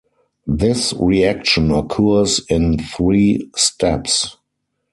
This reaction occurs in three steps.